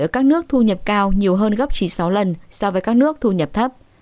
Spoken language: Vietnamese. ở các nước thu nhập cao nhiều hơn gấp chín sáu lần so với các nước thu nhập thấp